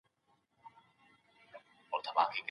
تعلیمي ټکنالوژي څنګه د زده کوونکو مهارتونه پراخوي؟